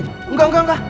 enggak enggak enggak